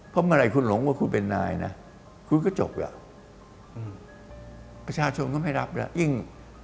เพราะเมื่อไหร่คุณหลงว่าคุณเป็นนายนะคุณก็จบแล้วอืมประชาชนก็ไม่รับแล้วยิ่ง